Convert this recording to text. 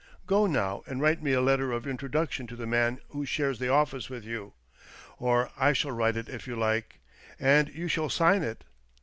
Go now and write me a letter of introduction to the man who shares the office with you. Or I will write it if you like, and you shall sign it.